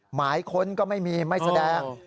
หมายค้นก็ไม่มีไม่แสดง